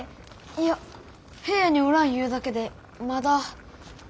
いや部屋におらんゆうだけでまだ。